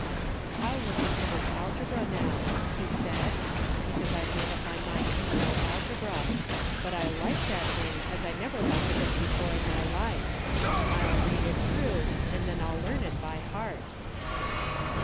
" I'll look into this algebra, now," he said, " be cause I've made up my mind to know algebra ; but I like that thing as I never liked a book before in my life ; I'll read it through, and then I'll learn it by heart."